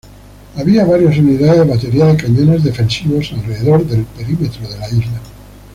Había varias unidades de batería de cañones defensivos alrededor del perímetro de la isla.